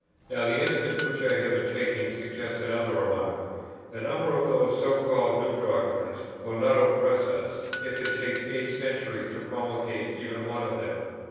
Now the instance which I have been taking suggests another remark; the number of those (so called) new doctrines will not oppress us, if it takes eight centuries to promulgate even one of them.